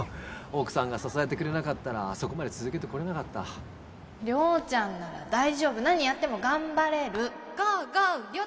奥さんが支えてくれなかったらあそこまで続けてこれなかった亮ちゃんなら大丈夫何やっても頑張れる！